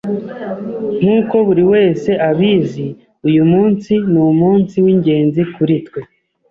Nkuko buriwese abizi, uyumunsi numunsi wingenzi kuri twe.